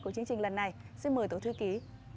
của chương trình lần này xin mời tổng thư ký